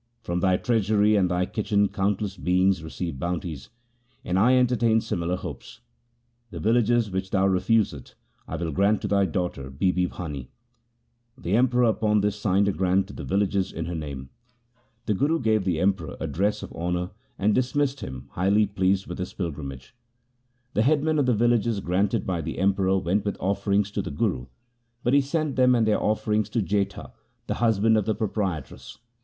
From thy treasury and thy kitchen countless beings receive bounties, and I entertain similar hopes. The villages which thou refusest I will grant to thy daughter Bibi Bhani.' The Emperor upon this signed a grant of the villages in her name. The Guru gave the Emperor a dress of honour, and dismissed him, highly pleased with SIKH. II H 98 THE SIKH RELIGION his pilgrimage. The headmen of the villages granted by the Emperor went with offerings to the Guru, but he sent them and their offerings to Jetha, the husband of the proprietress.